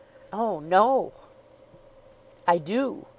"Oh, no!" "I do.